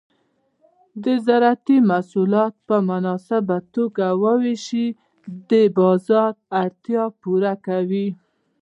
د زراعتي محصولات په مناسبه توګه ویشل د بازار اړتیا پوره کوي.